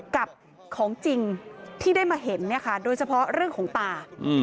กับของจริงที่ได้มาเห็นโดยเฉพาะเรื่องของตา